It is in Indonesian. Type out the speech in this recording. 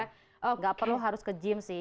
tidak perlu harus ke gym sih